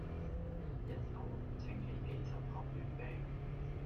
一手掅起幾十盒月餅